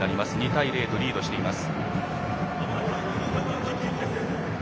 ２対０とリードしています。